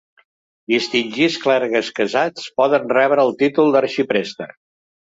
Distingits clergues casats poden rebre el títol d'arxipreste.